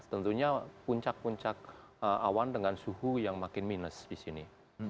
tentunya puncak puncak awan dengan suhu yang makin minus di sini